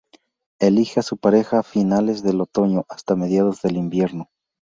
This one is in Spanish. Elige a su pareja a finales del otoño hasta mediados del invierno.